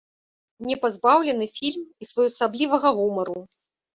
Не пазбаўлены фільм і своеасаблівага гумару.